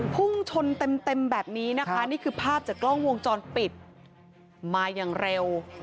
พุ่งชนเต็มแบบนี้นะคะนี่คือภาพจากกล้องวงจรปิดมาอย่างเร็ว